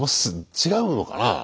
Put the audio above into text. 違うのかな？